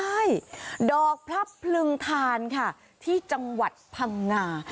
ใช่ดอกพลับพลึงทานค่ะที่จังหวัดพังงา